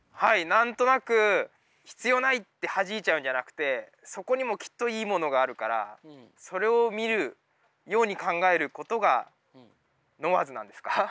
何となく必要ないってはじいちゃうんじゃなくてそこにもきっといいものがあるからそれを見るように考えることがノワーズなんですか？